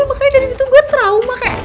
makanya dari situ gue trauma kayak